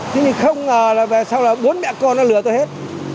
thế nhưng không ngờ là sao là bốn mẹ con nó lừa tôi hết